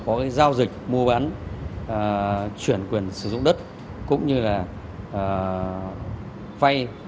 ở xã bình lãng huyện tứ kỳ